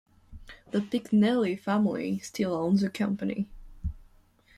The Picknelly family still owns the company.